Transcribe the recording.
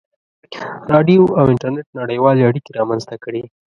• راډیو او انټرنېټ نړیوالې اړیکې رامنځته کړې.